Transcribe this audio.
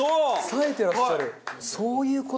さえていらっしゃる。